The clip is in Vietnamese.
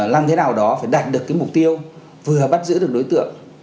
làm thế nào đó phải đạt được cái mục tiêu vừa bắt giữ được đối tượng